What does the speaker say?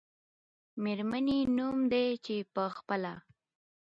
میرمنې نوم دی، چې په خپله